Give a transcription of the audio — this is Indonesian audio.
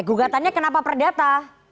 gugatannya kenapa perdata